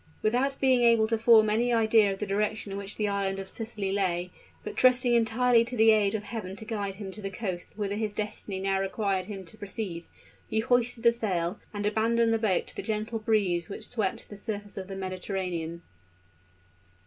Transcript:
Without being able to form any idea of the direction in which the island of Sicily lay, but trusting entirely to the aid of Heaven to guide him to the coast whither his destiny now required him to proceed, he hoisted the sail and abandoned the boat to the gentle breeze which swept the surface of the Mediterranean.